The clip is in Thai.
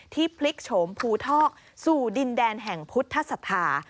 พลิกโฉมภูทอกสู่ดินแดนแห่งพุทธศรัทธา